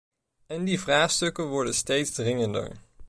En die vraagstukken worden steeds dringender.